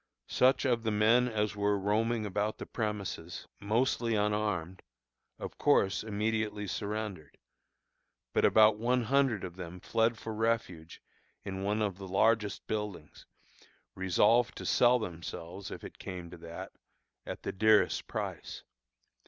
Such of the men as were roaming about the premises, mostly unarmed, of course immediately surrendered; but about one hundred of them fled for refuge in one of the largest buildings, resolved to sell themselves (if it came to that) at the dearest price.